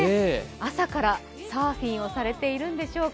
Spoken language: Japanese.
朝からサーフィンをされているんでしょうか。